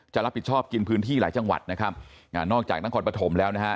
จะรับผิดชอบกินพื้นที่หลายจังหวัดนะครับอ่านอกจากนครปฐมแล้วนะฮะ